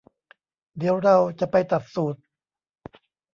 เดี๋ยวเราจะไปตัดสูท